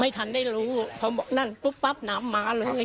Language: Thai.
ไม่ทันได้รู้